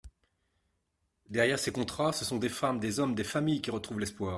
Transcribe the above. Derrière ces contrats, ce sont des femmes, des hommes, des familles qui retrouvent l’espoir.